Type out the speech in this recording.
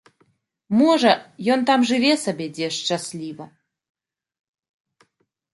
Можа, ён там жыве сабе дзе шчасліва.